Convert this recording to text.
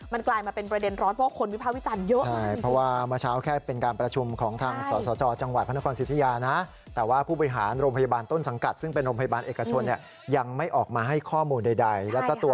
มันกลายมาเป็นประเด็นร้อนเพราะคนวิภาควิจารณ์เยอะ